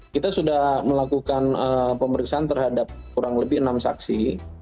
kita sudah melakukan pemeriksaan terhadap kurang lebih enam saksi